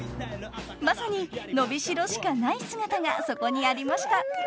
［まさに「のびしろしかない」姿がそこにありました］